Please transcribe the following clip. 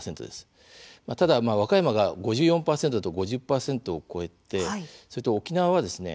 ただ、和歌山が５４％と５０％を超えてそれと沖縄はですね